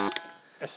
よし。